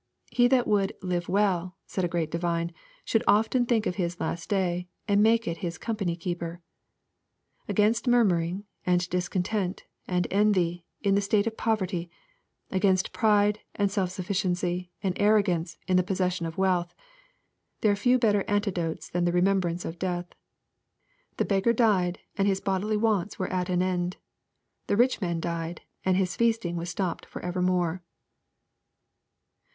"He that would live well," said a great divine, "should often think of his last day, and make it his company keeper." Against murmuring, and discontent, and envy, in the state of poverty, — against pride, and self sufficiency, and arrogance, in the posses sion of wealth, — ^there are few better antidotes than the remembrance of death. " The beggar died," and his bodily wants were at an end. " The rich man died," and his feasting was stopped for evermore.